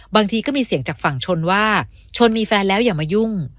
บางทีก็มีเสียงจากฝั่งชนว่าชนมีแฟนแล้วอย่ามายุ่ง